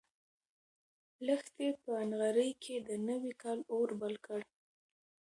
لښتې په نغري کې د نوي کال اور بل کړ.